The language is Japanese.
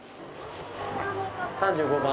３５番。